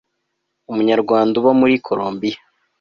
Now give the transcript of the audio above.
umunyarwanda uba muri corombiya